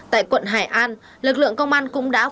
tại quận hải an lực lượng công an cũng đã